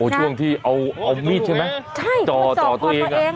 ช่วงที่เอามีดใช่ไหมจ่อตัวเอง